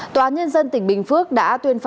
tòa án nhân dân tỉnh bình phước đã tuyên bố